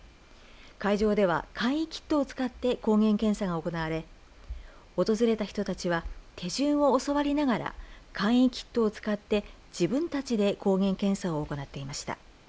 会場では簡易キットを使って抗原検査が行われ訪れた人たちは手順を教わりながら簡易キットを使って自分たちで抗原検査を行っていました。